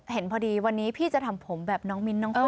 เห็นพอดีวันนี้พี่จะทำผมแบบน้องมิ้นน้อง